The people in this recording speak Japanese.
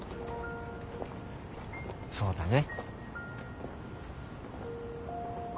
そうだね。